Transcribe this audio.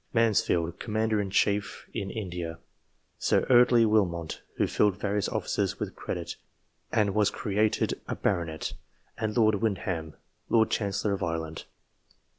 Mansfield, Commander in Chief in India ; Sir Eardley Willmot, who filled various offices with BETWEEN 1660 AND 1865 77 credit and was created a baronet ; and Lord Wyndham, Lord Chancellor of Ireland.